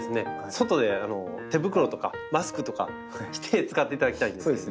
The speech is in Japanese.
外で手袋とかマスクとかして使っていただきたいんですけども。